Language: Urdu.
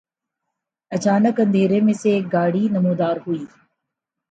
اچانک اندھیرے میں سے ایک گاڑی نمودار ہوئی